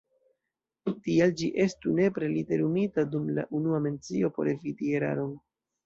Tial ĝi estu nepre literumita dum la unua mencio por eviti eraron.